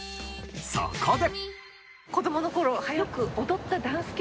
そこで。